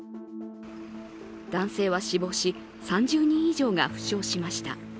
男性は死亡し、３０人以上が負傷しました。